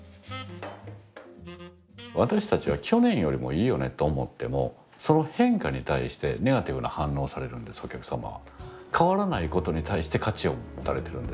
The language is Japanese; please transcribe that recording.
私たちは「去年よりもいいよね」と思ってもその変化に対してネガティブな反応をされるんですお客様は。